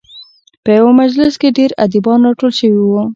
په یوه مجلس کې ډېر ادیبان راټول شوي وو.